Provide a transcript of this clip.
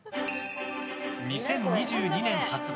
２０２１年発売